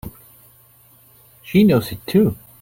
She knows it too!